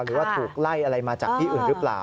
หรือว่าถูกไล่อะไรมาจากที่อื่นหรือเปล่า